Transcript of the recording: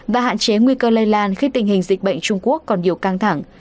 và hạn chế nguy cơ lây lan khi tình hình dịch bệnh trung quốc còn nhiều căng thẳng